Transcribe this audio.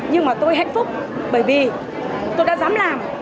nhưng mà tôi hạnh phúc bởi vì tôi đã dám làm